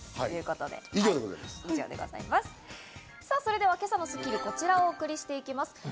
さぁ、それでは今朝の『スッキリ』はこちらをお送りしていきます。